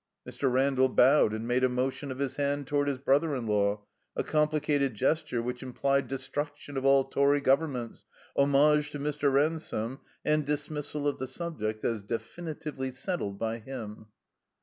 Mr. Randall bowed and made a motion of his hand toward his brother in law, a compKcated gesture which implied destruction of all Tory Governments, homage to Mr. Ransome, and dismissal of the sub ject as definitively settled by him.